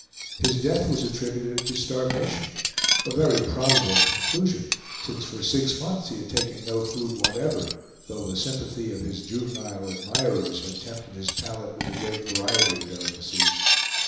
His death was attributed to starvation, a very probable conclusion, since for six months he had taken no food whatever, though the sympathy of his juvenile admirers had tempted his palate with a great variety of delicacies.